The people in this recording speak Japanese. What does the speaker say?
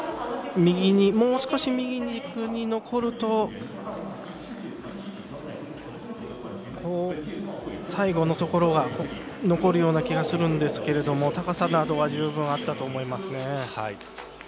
もう少し右に残ると最後のところが残るような気がするんですけども高さなどは十分あったと思いますね。